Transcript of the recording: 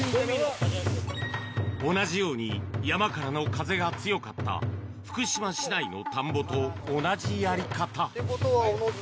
同じように、山からの風が強かった、福島市内の田んぼと同じやり方。